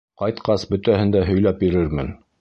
Ҡайтҡас бөтәһен дә һөйләп бирермен.